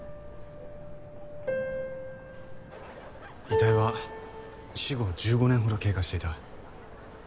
遺体は死後１５年ほど経過していた。